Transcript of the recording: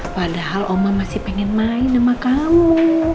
padahal oma masih pengen main sama kamu